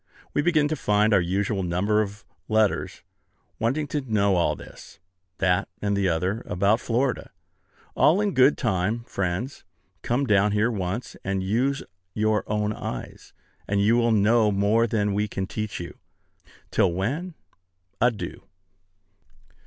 We begin to find our usual number of letters, wanting to know all this, that, and the other, about Florida. All in good time, friends. Come down here once, and use your own eyes, and you will know more than we can teach you. Till when, adieu.